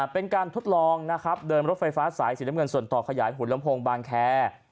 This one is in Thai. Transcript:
เป็นการทดลองนะครับเดินรถไฟฟ้าสายสีน้ำเงินส่วนต่อขยายหุ่นลำโพงบางแคร์